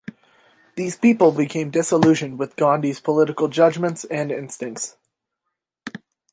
These people became disillusioned with Gandhi's political judgments and instincts.